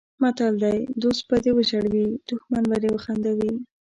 متل دی: دوست به دې وژړوي دښمن به دې وخندوي.